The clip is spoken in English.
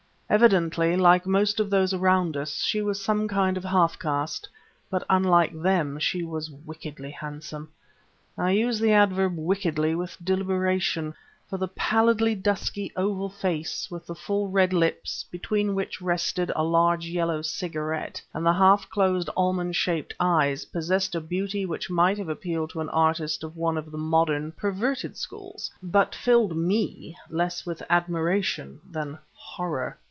Evidently, like most of those around us, she was some kind of half caste; but, unlike them, she was wickedly handsome. I use the adverb wickedly with deliberation; for the pallidly dusky, oval face, with the full red lips, between which rested a large yellow cigarette, and the half closed almond shaped eyes, possessed a beauty which might have appealed to an artist of one of the modern perverted schools, but which filled me less with admiration than horror.